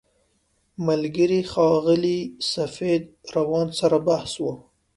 ملګري ښاغلي سفید روان سره بحث و.